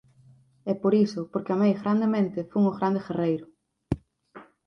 E por iso, porque amei grandemente, fun o grande guerreiro.